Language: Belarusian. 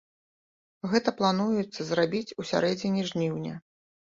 Гэта плануецца зрабіць у сярэдзіне жніўня.